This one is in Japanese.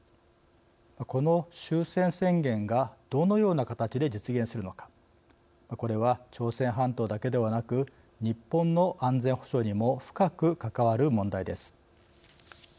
この終戦宣言がどのような形で実現するのかこれは朝鮮半島だけではなく日本の安全保障にも深く関わる問題です。